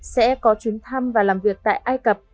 sẽ có chuyến thăm và làm việc tại ai cập